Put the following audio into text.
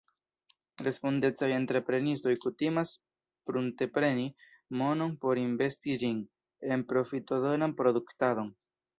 Respondecaj entreprenistoj kutimas pruntepreni monon por investi ĝin en profitodonan produktadon.